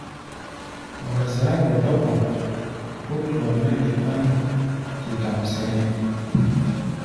Wa zá̧ gɔtɔ-kɔ̧ kútua mɛ́ e kpáná-gi-kam sɛnɛ́.